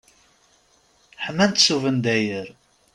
Ḥman-tt s ubendayer.